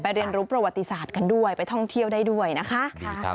เรียนรู้ประวัติศาสตร์กันด้วยไปท่องเที่ยวได้ด้วยนะคะ